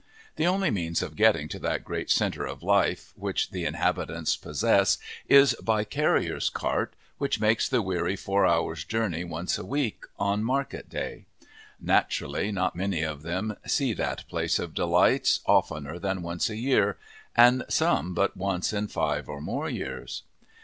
The only means of getting to that great centre of life which the inhabitants possess is by the carrier's cart, which makes the weary four hours' journey once a week, on market day. Naturally, not many of them see that place of delights oftener than once a year, and some but once in five or more years.